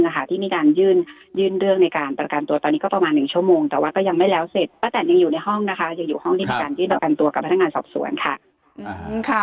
การที่เป็นการตัวกับพนักงานซับซ้วนค่ะ